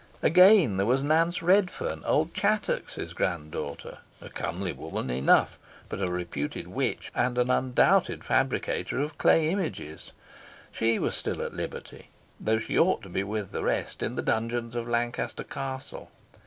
Again, there was Nance Redferne, old Chattox's grand daughter, a comely woman enough, but a reputed witch, and an undoubted fabricator of clay images. She was still at liberty, though she ought to be with the rest in the dungeons of Lancaster Castle.